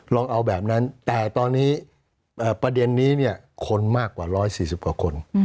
ลองเอาแบบนั้นแต่ตอนนี้ประเด็นนี้เนี่ยคนมากกว่า๑๔๐กว่าคน